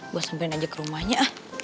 gue sampelin aja ke rumahnya